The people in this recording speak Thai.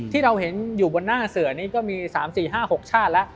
ที่เราเห็นอยู่บนหน้าเสือนี้ก็มี๓๔๕๖ชาติแล้ว